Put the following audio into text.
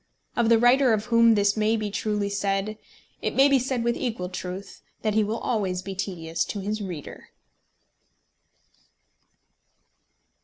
Of the writer of whom this may be truly said, it may be said with equal truth that he will always be tedious to his readers.